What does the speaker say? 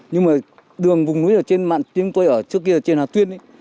nhưng mà đường vùng núi ở trên mạng chúng tôi ở trước kia là trên hà tuyên ấy